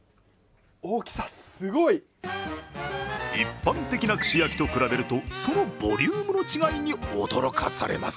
一般的な串焼きと比べるとそのボリュームの違いに驚かされます。